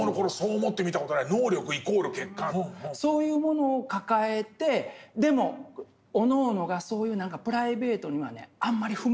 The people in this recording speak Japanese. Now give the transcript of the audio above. そういうものを抱えてでもおのおのがそういう何かプライベートにはねあんまり踏み込まないの。